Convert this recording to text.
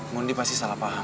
mondi pasti salah paham